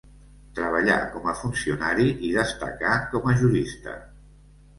Treballà com a funcionari i destacà com a jurista.